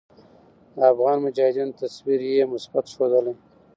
د افغاني مجاهدينو تصوير ئې مثبت ښودلے